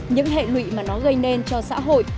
những hệ lụy mà nó gây nên cho xã hội